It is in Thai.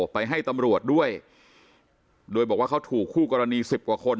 ไปให้ตำรวจด้วยโดยบอกว่าเขาถูกคู่กรณีสิบกว่าคน